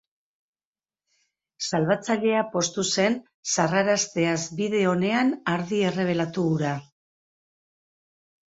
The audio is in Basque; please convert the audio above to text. Salbatzailea poztu zen sarrarazteaz bide onean ardi errebelatu hura.